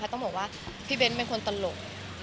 ต้องบอกว่าพี่เบ้นเป็นคนตลก